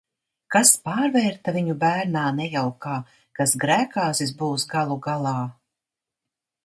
Kas pārvērta viņu bērnā nejaukā, kas grēkāzis būs galu galā?